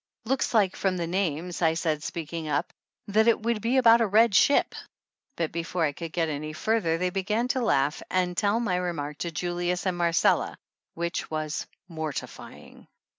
"It looks like, from the name," I said speak ing up, "that it would be about a red ship," but before I could get any further they began to laugh and tell my remark to Julius and Mar cella, which was mortifying.